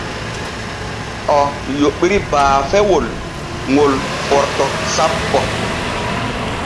O yoɓiri baafewol ŋol Forto sappo.